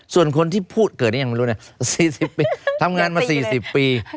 ส่วนคนที่พูดเกิดนี้ยังไม่รู้นะ๔๐ปีทำงานมา๔๐ปี